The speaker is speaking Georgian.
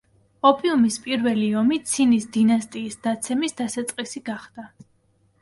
ოპიუმის პირველი ომი ცინის დინასტიის დაცემის დასაწყისი გახდა.